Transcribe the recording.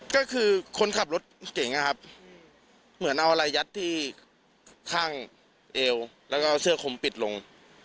ก็คือคนขับรถเก่งนะครับเหมือนเอาอะไรยัดที่ข้างเอวแล้วก็เสื้อคมปิดลง